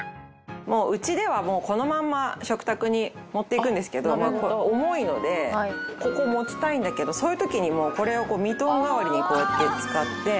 もううちではこのまま食卓に持っていくんですけど重いのでここを持ちたいんだけどそういう時にもうこれをこうミトン代わりにこうやって使って。